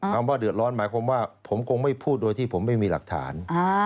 ว่าเดือดร้อนหมายความว่าผมคงไม่พูดโดยที่ผมไม่มีหลักฐาน